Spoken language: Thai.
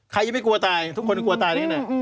ใครยังไม่กลัวตายทุกคนกลัวตายด้วยนั่น